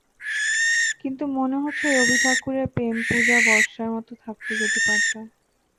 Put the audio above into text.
কিন্তু মনে হচ্ছে রবিঠাকুরের প্রেম পূজা বর্ষার মতো থাকতে যদি পারতাম।